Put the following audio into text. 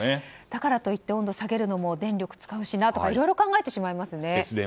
だからといって温度を下げるのも電力を下げるしなとかいろいろ考えてしまいますね。